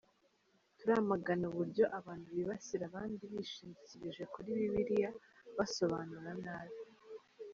Turamagana uburyo abantu bibasira abandi bishingikirije kuri Bibiliya basobanura nabi.